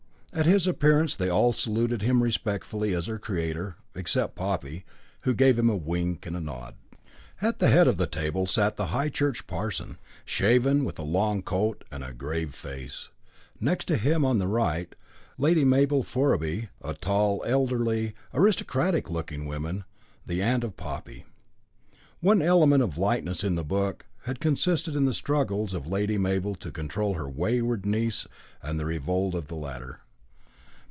At his appearance they all saluted him respectfully as their creator all except Poppy, who gave him a wink and a nod. At the head of the table sat the High Church parson, shaven, with a long coat and a grave face, next to him, on the right, Lady Mabel Forraby, a tall, elderly, aristocratic looking woman, the aunt of Poppy. One element of lightness in the book had consisted in the struggles of Lady Mabel to control her wayward niece and the revolt of the latter.